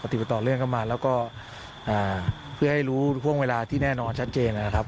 ติดต่อเรื่องเข้ามาแล้วก็เพื่อให้รู้ห่วงเวลาที่แน่นอนชัดเจนนะครับ